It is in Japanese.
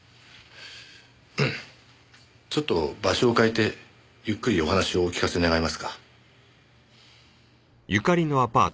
ちょっと場所を変えてゆっくりお話をお聞かせ願えますか？